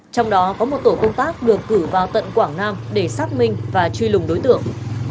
trong đó có một tổ công tác được cử vào tận quảng nam để xác minh và truy lùng đối tượng